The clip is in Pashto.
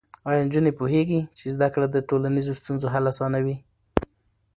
ایا نجونې پوهېږي چې زده کړه د ټولنیزو ستونزو حل اسانوي؟